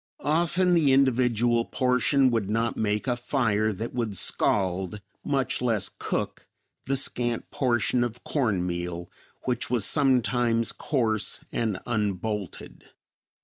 Often the individual portion would not make a fire that would scald, much less cook, the scant portion of cornmeal, which was sometimes coarse and unbolted.